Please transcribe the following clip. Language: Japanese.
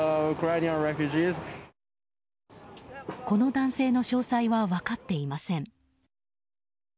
この男性の詳細は分かっていません。